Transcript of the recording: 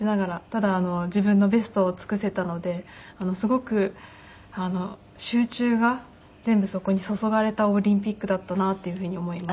ただ自分のベストを尽くせたのですごく集中が全部そこに注がれたオリンピックだったなっていうふうに思います。